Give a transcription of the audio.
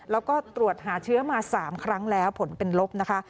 แล้วก็ตรวจหาเชื้อมา๓ครั้งแล้วผลเป็นลบนะคะ